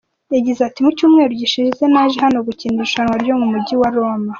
Yagize ati “Mu cyumweru gishize naje hano gukina irushanwa ryo mu Mujyi wa Roma.